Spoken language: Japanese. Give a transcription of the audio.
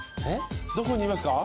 どこにいますか？